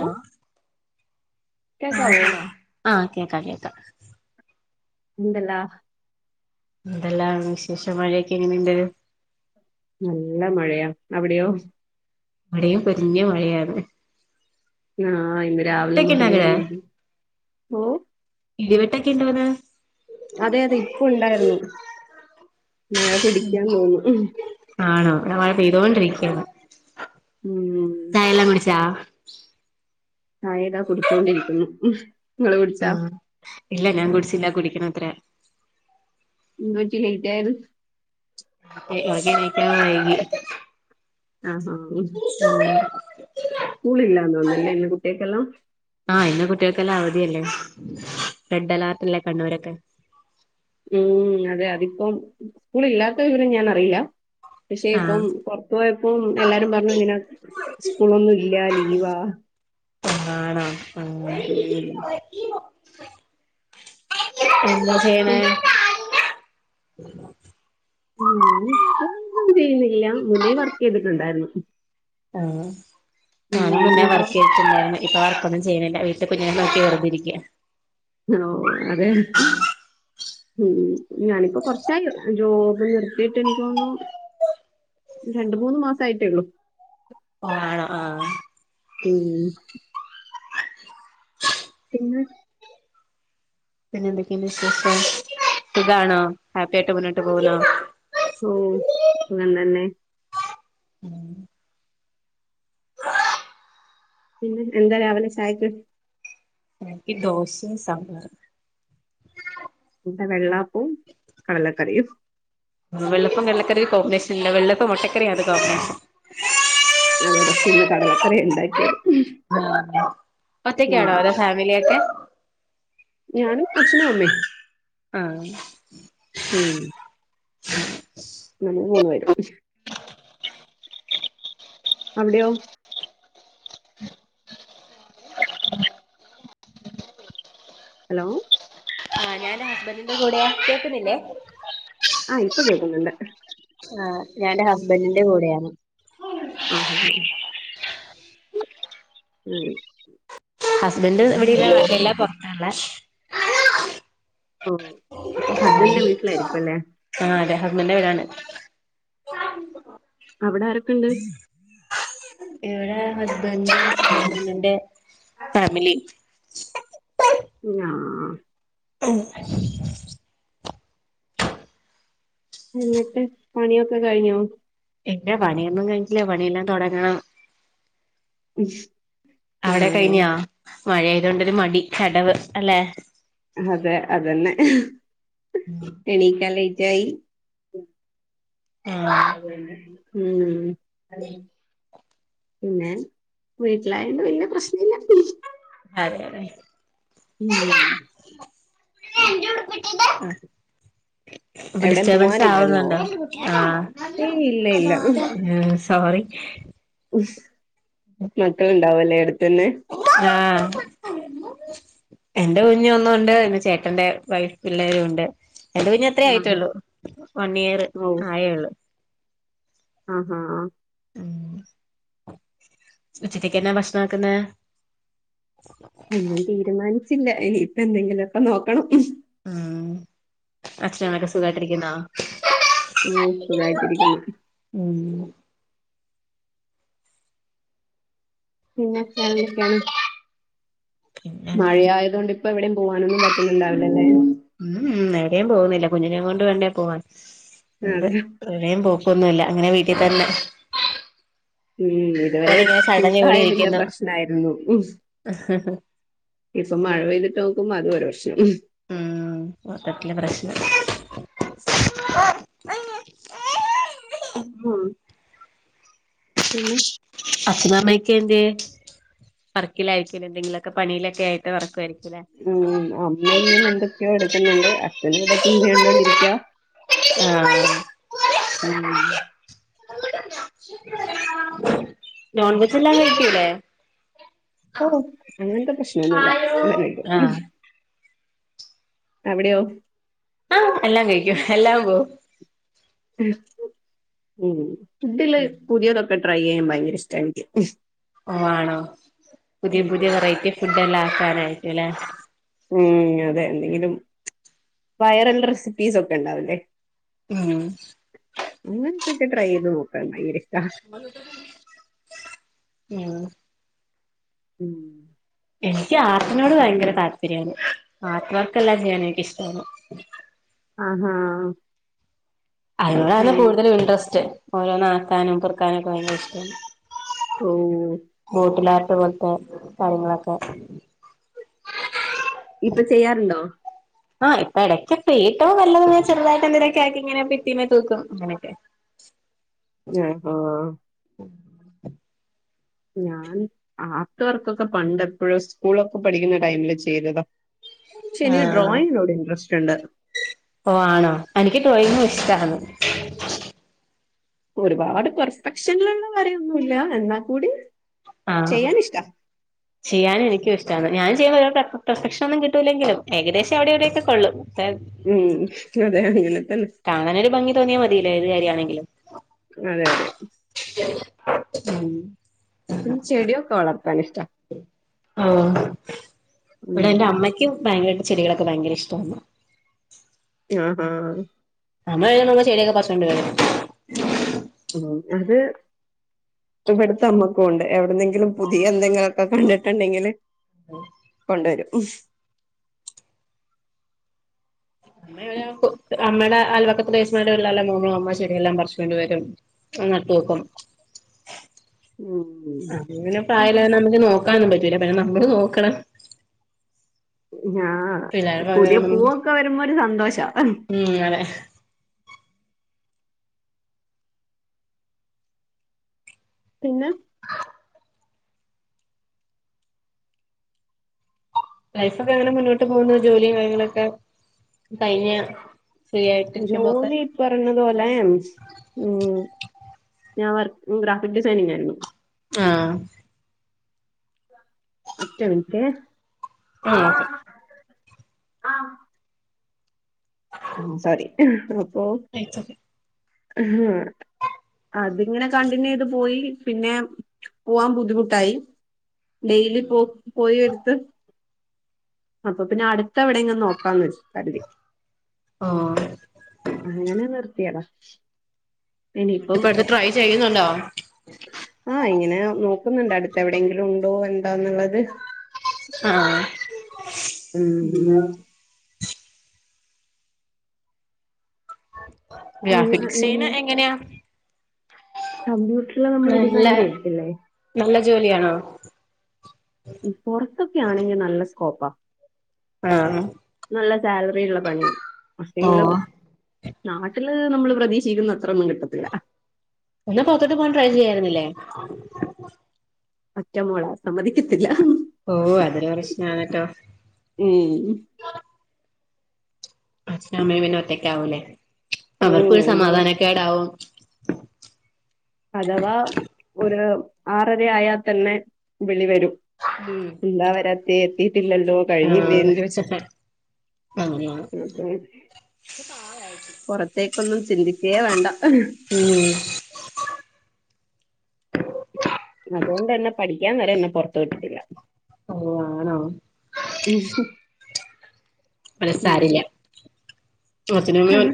ഓ ആഹ് കേക്കാവോ ഹലോ ആഹ് കേക്കാം കേക്കാം എന്തെല്ലാ എന്തെല്ലാം വിശേഷം മഴേക്കെ എങ്ങനെണ്ട് നല്ല മഴയാ അവിടെയോ ഇവിടെയും പെരിഞ്ഞ മഴയാണ് ആഹ് ഇന്ന് രാവിലെ ഇടിവെട്ടൊക്കെ ഇണ്ടോ മുതലേ അങ്ങട് ഉണ്ട് ഓഹ് ഇടിവെട്ടെക്കെ ഉണ്ട് വന്ന് അതെ അതെ ഇപ്പൊ ഉണ്ടാരുന്നു തോന്നുന്നു ആണോ ഇവിടെ മഴ പെയ്തോണ്ടിരിക്കാണ് ഉം ചായെല്ലാം കുടിച്ചാ ചായ ദാ കുടിച്ചോണ്ടിരിക്കുന്നു കുടിച്ചാ ആഹ് ഇല്ല ഞാൻ കുടിച്ചില്ല കുടിക്കണത്ര എന്ത് പറ്റി ലേറ്റായത് അതെ രാവിലെ എണിക്കാൻ വൈകി ആഹ് ആഹ് ഉം [unintelligible] സ്കൂളില്ലാന്ന് തോന്നല്ലേ ഇന്ന് കുട്ടികക്കെല്ലാം ആഹ് ഇന്ന് കുട്ടികൾക്കെല്ലാം അവധിയല്ലേ റെഡ് അലേർട്ടല്ലേ കണ്ണൂരൊക്കെ ഉം അതെ അതിപ്പം സ്കൂള് ഇല്ലാത്ത വിവരം ഞാൻ അറിയില്ല പക്ഷെ ആഹ് ഇപ്പം പൊറത് പോയപ്പം എല്ലാരും പറഞ്ഞു ഇങ്ങന സ്കൂളൊന്നും ഇല്ല ലീവാ ആണോ ആഹ് ഉം എന്താ ഉം ചെയ്യണെ ഞാന് ഇപ്പം ഒന്നും ചെയ്യുന്നില്ല മുന്നേ വർക്ക് ചെയ്തിട്ടുണ്ടാരുന്നു ആഹ്, ഞാനും, മുന്നേ, നിങ്ങളോ? വർക്ക് ചെയ്തിട്ടുണ്ടായിരുന്നു. ഇപ്പൊ, വർക്കൊന്നും ചെയ്യുന്നില്ല, വീട്ടിൽ, കുഞ്ഞിനെ നോക്കി, വെറുതെ ഇരിക്കുവ. ഓഹ് അതെ മം, ഞാനിപ്പോ, കൊറച്ചായി ജോബ്, നിർത്തിയിട്ട്, എനക്ക്തോന്നുന്നു. രണ്ടു, മൂന്ന്, മാസയിട്ടേ, ഉള്ളൂ. ഓഹ് ആണോ, ആഹ് ഉം അ [unintelligible] പിന്നെ പിന്നെ, എന്തൊക്കെയാണ് വിശേഷം, സുഖാണോ, ഹാപ്പി ആയിട്ട് മുന്നോട്ട്, പോകുന്നോ. ഓഹ് നല്ലഞ്ഞെ ഉം പിന്നെ എന്താ രാവിലെ ചായക്ക്. എനിക്ക്, ദോശയും, സമ്പാറും. ഇവിടെ, വെള്ളാപ്പവും കടലക്കറിയും. വെള്ളപ്പവും, കടലകറിയും കോമ്പിനേഷൻ, ഇല്ല, വെള്ളപ്പവും, മുട്ടക്കറിയുമാണ്, കോമ്പിനേഷൻ അതെ, പക്ഷെ, ഇന്ന്, കടലക്കറിയാ ഉണ്ടാക്കിയത്. ആ ഒറ്റക്കാണോ, അതോ ഫാമിലിയക്കെ. ഞാൻ, അച്ഛനും, അമ്മയും, ആഹ് മം. നമ്മൾ, മൂന്ന്, പേരും. അവിടെയോ ഹലോ ആ, ഞാൻ, ഹസ്ബന്റിന്റെ കൂടെയാ, കേൾക്കുന്നില്ലേ. ആ, ഇപ്പൊ, കേൾക്കുന്നുണ്ട്. ആ ഞാൻന്റെ, ഹസ്ബന്റിന്റെ കൂടെയാ. ആഹ് മം ഹസ്ബൻഡ് ഇവിടല്ലാ [unintelligible] പൊറത്ത ഉള്ളെ ഓ, അപ്പൊ, ഹസ്ബന്റിന്റെ വീട്ടിലായിരിക്കും, അല്ലേ. ആ, അതെ, ഹസ്ബന്റിന്റെ വീടാണ്. അവിടെ, ആരോ ഇവിടെ, ഹസ്ബൻഡ്, ഹസ്ബന്റിന്റെ. ഫാമിലി ഞാൻ [unintelligible] ഉം എന്നിട്ട്, പണിയൊക്കെ കഴിഞ്ഞോ. ഇല്ലാ, പണിയൊന്നും, കഴിഞ്ഞിട്ടില്ല പണിയെല്ലാം, തുടങ്ങണം. ഇഷ് അവിടെ, കഴിഞ്ഞാ, മഴ, ആയത് കൊണ്ടോരു, മടി, ചടവ്, അല്ലെ. അതെ, അതന്നെ. ഉം എണീക്കാൻ ലേറ്റ് ആയി ആഹ് മം പിന്നെ, വീട്ടിലായണ്ട്, വലിയ പ്രശ്നഇല്ലാണ്ട്, പോണ്. അതെയതെ ഉം ഇജ്ജ് എന്റെ ഉടുപ്പ് ഇട്ടത് [unintelligible] എവിടേം ഡിസ്റ്റർബൻസ്, പോവാനില്ലല്ലോ? ആവുന്നുണ്ടോ ആ. ഏയ് ഇല്ല ഇല്ല സോറി മക്കളുണ്ടാവുല്ലേ അടുത്ത്ന്ന് ആഹ് ആഹ് എന്റെ കുഞ്ഞ് ഒന്നുണ്ട് പിന്നെ ചേട്ടന്റെ വൈഫ് പിള്ളേരുണ്ട് ഇന്റെ കുഞ് അത്രേ ആഹ് ആയിട്ടുള്ളൂ വൺ ഇയർ ആയേള്ളൂ ആഹ് ആഹ് ആ ഉച്ചത്തേക്ക് എന്നാ ഭക്ഷണാക്കുന്നെ ഒന്നും തീരുമാനിച്ചില്ല ഇനിയിപ്പ എന്തെങ്കിലൊക്കെ നോക്കണം ഉം അച്ഛനമ്മൊക്കെ ഉം സുഖായിട്ടിരിക്കുന്നാ ഓ സുഖായിട്ടിരിക്കുന്നു ഉം പിന്നെ വേറെ എന്തൊക്കെയാണ് പിന്നെ മഴയയതുകൊണ്ടിപ്പ എവിടെയും പോവാനൊന്നും പറ്റുന്നുണ്ടാവില്ലല്ലേ ഉം ഉം എവിടേയും പോവുന്നില്ല കുഞ്ഞിനെയും കൊണ്ട് വേണ്ടേ പോവാൻ അതെ എവിടേയും പോക്കൊന്നുല്ല ഇങ്ങനെ വീട്ടി തന്നെ ഉം വീട്ടിൽ ഇതുവരെ തന്നെ ഇങ്ങനെ സടഞ്ഞു കൂടി ചൂട്ടായതിന്റെ ഇരിക്കുന്നു പ്രശ്നായിരുന്നു ഉം ഇപ്പൊ മഴ പെയ്തിട്ട് നോക്കുമ്പോ അത് ഒരു പ്രശ്നം ഉം ഉം മൊത്തത്തില് പ്രശ്നം ഉം പിന്നെ അപ്പനമ്മക്കയെന്ത് വർക്കിലായിക്കും ലെ എന്തെങ്കിലുമൊക്കെ പണിയിലൊക്കെ ആയി വർക്ക് ആയിരിക്കല്ലേ ഉം അമ്മേം ഇങ്ങനെ എന്തൊക്കെയോ എടുക്കുന്നുണ്ട് അച്ഛനും ഇവിടെ ടി വി കണ്ടോണ്ടിരിക്ക അഹ് ഉം [unintelligible] നോൺവെജ് എല്ലാം കഴിക്കൂലേ ഓ അങ്ങനത്തെ പ്രശ്നമൊന്നുമില്ല ആഹ് എല്ലാം കഴിക്കും അവിടെയോ ആഹ് എല്ലാം കഴിക്കും എല്ലാം പോവും ഉം ഫുഡില് പുതിയതൊക്കെ ട്രൈയെയ്യാൻ ഭയങ്കര ഇഷ്ടാ എനിക്ക് ഓഹ് ആണോ പുതിയ ഉം പുതിയ വെറൈറ്റി ഫുഡ് എല്ലാം ആക്കാനായിട്ട്ല്ലെ ഉം അതെ എന്തെങ്കിലും വൈറൽ റെസിപ്പീസ് ഒക്കെ ഇണ്ടാവില്ലേ ആഹ് അങ്ങനത്തൊക്കെ ട്രൈയേയ്ത് നോക്കാൻ ഭയങ്കര ഇഷ്ട ഉം ഉം എനിക്ക് ആർട്ടിനോട് ഭയങ്കര താല്പര്യാണ് ആർട്ട് വർക്കെല്ലാം ചെയ്യാൻ എനിക്കിഷ്ടാണ് ആഹാ അതിനോടാണ് അങ്ങനെ കൂടുതലും ഇൻട്രസ്റ്റ് ഓരോന്ന് ആാക്കാനും പെറുക്കാനും ഒക്കെ ഭയങ്കര ഇഷ്ടാണ് ഓഹ് ബോട്ടിലാർട്ട് പോലത്തെ കാര്യങ്ങളൊക്കെ ഇപ്പ ചെയ്യാറുണ്ടോ ആഹ് ഇപ്പ എടക്ക് ഫ്രീ ടൈം വല്ലതും ചെറുതായിട്ട് എന്തങ്കിലൊക്കെ ആക്കിങ്ങനെ ബിത്തിമ്മേ തൂക്കും അങ്ങനെയൊക്കെ ആഹാ ഞാൻ ആർട്ട് വർക്കൊക്കെ പണ്ട് എപ്പോഴോ സ്കൂളൊക്കെ പഠിക്കുന്ന ടൈമില് ചെയ്തത ഷെ എനിക്ക് ഡ്രോയിങ്ങിനോട് ഇൻട്രസ്റ്റ് ഉണ്ട് ഓഹ് ആണോ എനിക്ക് ഡ്രോയിങ്ങും ഉം. ഇഷ്ടാണ് ഒരുപാട് പെർഫെക്ഷനിൽ ഉള്ള വരയൊന്നുല്ല എന്നാ കൂടി ആഹ് ചെയ്യാൻ ഇഷ്ടാ ചെയ്യാൻ എനിക്കും ഇഷ്ടാണ് ഞാൻ ചെയ്യുമ്പോ പെർ പെർഫെക്ഷൻ ഒന്നും കിട്ടൂില്ലെങ്കിലും ഏകദേശം അവിടെ ഇവിടെയൊക്കെ കൊള്ളും [unintelligible] ഉം അതെ അങ്ങനത്തെന്നേ കാണാനൻ ഒരു ഭംഗി തോന്നിയാൽ മതില്ലേ ഏത് കാര്യ ആണെങ്കിലും അതെ യതെ [inaudible] പിന്ന ചെടിയൊക്കെ വളർത്താന് ഇഷ്ട ആഹ് ഇവടെ ഉം എന്റെ അമ്മയ്ക്ക് ഭയങ്കരായിട്ട് ചെടികളൊക്കെ ഭയങ്കര ഇഷ്ട്ട ഞാ ഹാ നമ്മൾ നമ്മ ചെടിയൊക്കെ പറിച്ചൊണ്ട് വരും അത് ഇവിടുത്തെ അമ്മക്കുണ്ട് എവിട്ന്നെങ്കിലും പുതിയ എന്തെങ്കിലും ഒക്കെ കണ്ടിട്ടുണ്ടെങ്കിൽല് കൊണ്ടുവരും അമ്മയുടെ അൽപക്കത്തിലലേസ്മാരെല്ലല്ലാം അമ്മ ചെടിയെല്ലാം പറിച്ചൊണ്ടു വരും എന്നിട്ട് വക്കും അങ്ങനെ ഉം പ്രായംലലോലന്നോക്കാന്നും പറ്റൂല്ല പ നമ്മള് നോക്കണം ഞാ പിള്ളേരെ പുതിയ പൂവൊക്കെ വരുമ്പോ ഒരു സന്തോഷാ ഉം ങ്ങനെ പിന്നെ ലൈഫ് ഒക്കെ എങ്ങനെ മുന്നോട്ട് പോകുന്നു ജോലിയും കാര്യങ്ങളൊക്കെ കഴ്ഞ്ഞ ജോലി പറഞ്ഞതു പോലെ ഉം ഞാൻ ഗ്രാഫിക് ഡിസൈനിങ്ങ് ആയിരുന്നു ആഹ് ഒറ്റ മിൻറ്റേ ആഹ് ഓക്കെ സോറി ഉം അപ്പോ [unintelligible] ഓക്കെ അതിങ്ങനെ കണ്ടിന്യൂയ്ത് പോയി പിന്നെ പോവാൻ ബുദ്ധിമുട്ടായി ഡെയിലി പോ പോയി വര്ത്ത് അപ്പൊ പിന്നെ അടുത്ത എവിടെങ്കിലും നോക്കാന്ന് വച്ചു കരുതി ഓഹ് അങ്ങനെ നിർത്തിയതാ ഇനിയിപ്പം ട്ടിപ്പ അടുത്ത് ട്രൈ ചെയ്യുന്നുണ്ടോ ആഹ് ഇങ്ങനെ നോക്കുന്നുണ്ട് അടുത്ത് എവിടെയെങ്കിലും ഉണ്ടോ ഉണ്ടോന്നുള്ളത് ആഹ് ഉം ഉം ഗ്രാഫിക് ഉം സെയ്ന് എങ്ങനെയാ കമ്പ്യൂട്ടറിൽ നമ്മള് നല്ല ഡിസൈൻ ചെയ്യത്തില്ലേ നല്ല ജോലിയാണോ പൊറ്ത്തൊക്കെയാണെങ്കിൽ നല്ല സ്കോപ്പാ ആഹ് നല്ല സാലറി ഉള്ള പണിയാണ് മുസ്ലിംഗളും ഓഹ് നാട്ടില് നമ്മള് പ്രതീക്ഷിക്കുന്ന അത്രൊന്നും കിട്ടത്തില്ല എന്നാ പുറ്ത്തോട്ട് പോകാൻ ട്രൈ ചെയ്യായിരുന്നില്ലേ ഒറ്റമോളാ സമ്മതിക്കത്തില്ല ഓഹ് അതൊരു പ്രശ്നാണ് ട്ടോ ഉം അച്ചനു അമ്മേം പിന്നെ ഒറ്റക്ക് ആവൂല്ലേ അവർക്ക് ഉം ഒരു ഒന്ന് സമാധാനക്കേടാവും അഥവാ ഒരു ആറര ആയാ തന്നെ വിളി വരും ഉം എന്താവരാത്തേ എത്തിട്ടില്ലല്ലോ കഴിഞ്ഞില്ലേ ആഹ് എന്ന് ചോദിച്ചിട്ട് അങ്ങനെയാണ് ഉം പുറത്തേക്കൊന്നും ചിന്തിക്കേ വേണ്ട ഉം അതോണ്ടന്നെ പഠിക്കാൻ വരെയെന്നെ പുറത്തു വിട്ടിട്ടില്ല ഓഹ് ആണോ ഇഷു അത് സാരമില്ല അച്ഛനും അമ്മയും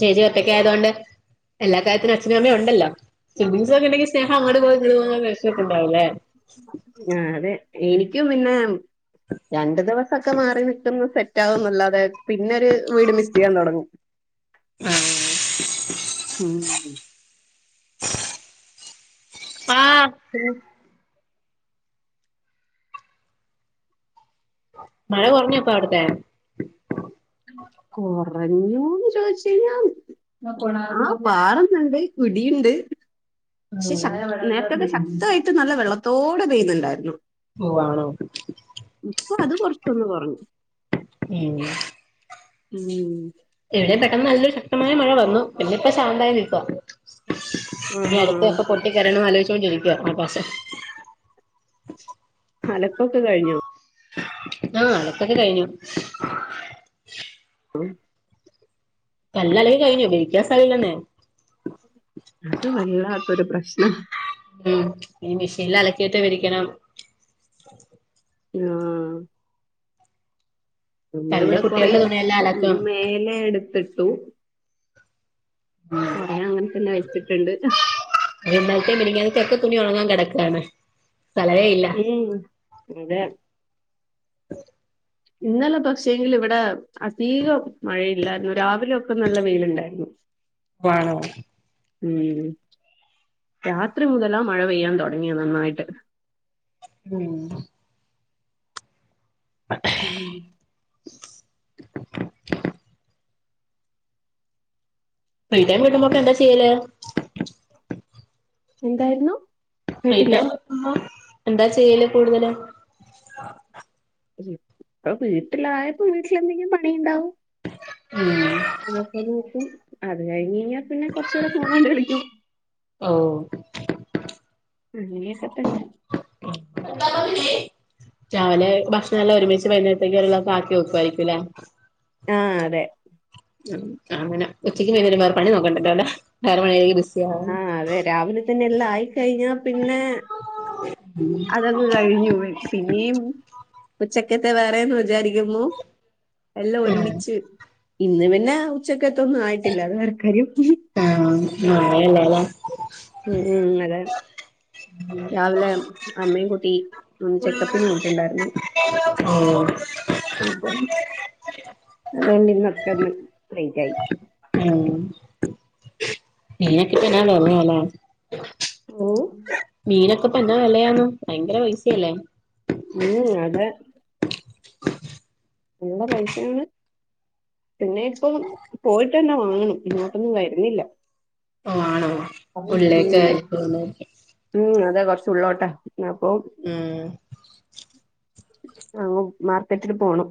ചേച്ചിയും ഒറ്റയ്ക്കായതു കൊണ്ട് എല്ലാ കാര്യത്തിനും അച്ഛനും അമ്മയും ഉണ്ടല്ലോ സിബിലിങ്ങ്സ് ഓക്കെണ്ടെങ്കിൽ സ്നേഹം അങ്ങോട്ട് പോ ഇങ്ങട്ട് പോ ദേഷ്യയോക്കെ ഉണ്ടാവൂല്ലേ ആഹ് അതെ എനിക്ക് പിന്നെ രണ്ടു ദിവസ സൊക്കെ മാറി നിൽക്കുന്നെ സെറ്റാകുന്നല്ലാതെ പിന്നെരു വീട് മിസ് ചെയ്യാൻ തുടങ്ങും ഉം [inaudible] ആഹ് ഉം മഴ കുറഞ്ഞോ ഇപ്പ അവിടത്തെ കുറഞ്ഞൂന്ന് ചോയിച്ച് കഴിഞ്ഞാൽ ആഹ് പാറബ്ണ്ട് പിടിയുണ്ട് പക്ഷെ ശ ഉം നേരത്തെത്തെ ശക്തമായിട്ട് നല്ല വെള്ളത്തോടെ പെയ്ത്ണ്ടായിരുന്നു ഓ ആണോ ഇപ്പൊ അത് കൊറച്ചൊന്ന് കൊറഞ്ഞു ഏഹ് ഉം ഇവിടെ പെട്ടെന്ന് നല്ലൊരു ശക്തമായ മഴ വന്നു പിന്നെ ഇപ്പ ശാന്തായി നിൽക്കുവാ പിന്നെ ആഹാ. എടക്കൊക്കെ പൊട്ടിക്കരയണം ന്ന് ആലോചിച്ചോണ്ടിരിക്കുവ പൽപോസെ അലക്കൊക്കെ കഴിഞ്ഞു ആഹ് അലക്കൊക്കെ കഴിഞ്ഞു ആഹ് എല്ലാം അലക്കി കഴിഞ്ഞു വിരിക്കാൻ സ്ഥലമില്ലാന്നെ അത് വല്ലാത്തൊരു പ്രശ്നാ ഉം ഇനി മെഷീനിൽ അലക്കിയിട്ട് വിരിക്കണം ആഹ് കല്ല് നമ്മളിവിടെ കൊറെ കുട്ടികളുടെ തുണിയെല്ലാം അലക്കും മേലെ എടുത്തിട്ടു ആഹ് അത് ഞാൻ അങ്ങനെ തന്നെ വെച്ചിട്ടുണ്ട് ഇന്നലത്തെ മിനിഞ്ഞാത്തൊക്കെ തുണി ഉണങ്ങാൻ കിടക്കയാണ് സ്ഥലവേ ഇല്ല ഉം അതെ ഇന്നലെ പക്ഷേ എങ്കിലും ഇവിടെ അധീകം മഴയില്ലായിരുന്നു രാവിലെ ഒക്കെ നല്ല വെയിലുണ്ടായിരുന്നു [inaudible] ആണോ ഉം രാത്രി മുതലാ മഴ പെയ്യാൻ തുടങ്ങിയെ നന്നായിട്ട് ഉം അഹെ ഉം ഫ്രീ ടൈം കിട്ടുമ്പോക്കെ എന്താ ചെയ്യല് എന്തായ്രുന്നു ഫ്രീ ടൈം കിട്ടുമ്പം എന്താ ചെയ്യല് കൂടുതല് ഇപ്പ വീട്ടിലായപ്പോ വീട്ടില് എന്തെങ്കിലും പണിണ്ടാവും ഉം അതപ്പോ നോക്കും അത് കഴിഞ് കഴിഞ്ഞാൽ പിന്നെ കുറച്ചു നേരം ഫോൺ കണ്ട് കളിക്കും ഓഹ് ഉം അങ്ങനെയൊക്കെതന്നെ [unintelligible] രാവിലെ ഭക്ഷണല്ലാം ഒരുമിച്ച് വൈകുന്നേരത്തേക്കുള്ളതൊക്കെ ആക്കിവക്കു അയിരിക്കുലെ ആഹ് അതെ ആഹ് അങ്ങനെ ഉച്ചയ്ക്ക് വൈനെരം വേറെ പണിനോകണ്ടലോലെ വേറെപണികളിൽ ബിസി ആവാൻ ആഹ് അതെ രാവിലതന്നെ എല്ലാം ആയിക്കഴിഞ്ഞാ പിന്നെ അത അത് കഴിഞ്ഞപോയി പിന്നിയും ഉച്ചക്കത്തെ വേറെന്ന് വിചാരി വിചാരികുന്നു എല്ല ഉം ഒരുമിച്ച് ഇന്ന് പിന്നെ ഉച്ചക്കത്തൊന്നായിട്ടില്ല അത് വേറെ. ക്കാര്യം ഒന്നു ആയില്ലലെ ഉം ഉം അതെ രാവിലെ അമ്മയെകുട്ടി ഒന്ന് ചെക്കപ്പിന് പോയിട്ടുണ്ടായിരുന്നു. ഓഹ് അപ്പൊ അതോണ്ടിന്നൊക്കന്ന് ലൈറ്റായി [unintelligible] പിന്നെക്കെ നാ ഒർങ്ങിയലെ ഓഹ് മീനൊക്കെപന്നാവെലയാന്നൊ ഭയങ്കര പൈസയല്ലേ ഉം അതെ നല്ല പൈസയാണ് പിന്നെയിപ്പം പോയിട്ട് തെന്ന വാങ്ങ്ണ് ഇങ്ങോട്ടൊന്നും വര്ണില്ല ഓഹ് ആണോ ഉള്ളെച്ചയിരിക്കുന്നെ ഉം അതെ കൊറച്ചള്ളോട്ട അപ്പൊ ഉം അങ്ങും മാർക്കറ്റിൽ പോണം